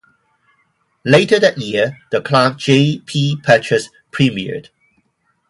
Later that year, the clown "J. P. Patches" premiered.